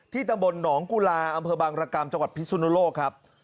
ที่ตะบลหนองกุลาอำเภาบังกลางกรรมจังหวัดพิสุนโลกครับ